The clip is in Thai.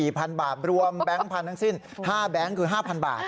กี่พันบาทรวมแบงค์พันทั้งสิ้นห้าแบงค์คือห้าพันบาท